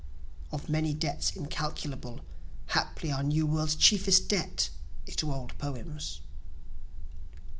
(Of many debts incalculable, Haply our New World's chieftest debt is to old poems.)